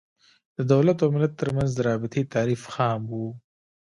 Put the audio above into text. د دولت او ملت تر منځ د رابطې تعریف خام و.